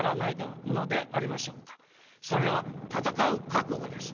それは戦う覚悟です。